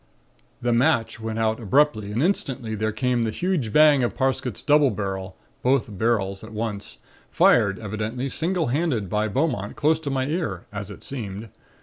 "The match went out abruptly and instantly there came the huge bang of Parsket's double barrel (both barrels at once), fired evidently single handed by Beaumont close to my ear, as it seemed.